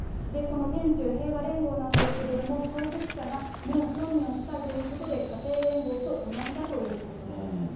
この天宙平和連合なんですけれども、創設者がムン・ソンミョン夫妻ということで、家庭連合と同じだということです。